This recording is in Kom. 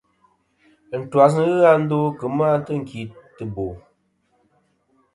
Ɨntwas nɨn ghɨ a ndo kemɨ a tɨnkìtɨbo.